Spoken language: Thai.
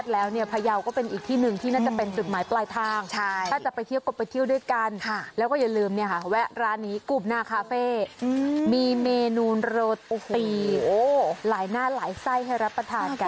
แล้วก็อย่าลืมแวะร้านนี้กลุ่มหน้าคาเฟ่มีเมนูโรตีหลายหน้าหลายไส้ให้รับประทานกัน